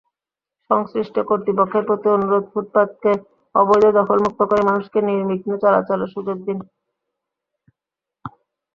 সংশ্লিষ্ট কর্তৃপক্ষের প্রতি অনুরোধ, ফুটপাতকে অবৈধ দখলমুক্ত করে মানুষকে নির্বিঘ্নে চলাচলেরসুযোগ দিন।